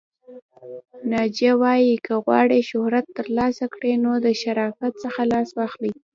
نیچه وایې، که غواړئ شهرت ترلاسه کړئ نو د شرافت څخه لاس واخلئ!